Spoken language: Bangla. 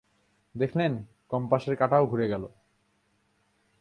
দেখলেন, কম্পাসের কাঁটাও ঘুরে গেল।